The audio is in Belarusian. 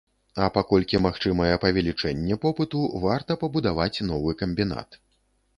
А паколькі магчымае павелічэнне попыту, варта пабудаваць новы камбінат.